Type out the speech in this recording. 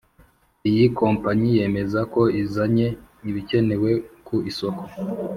Iyi kompanyi yemeza ko izanye ibikenewe ku isoko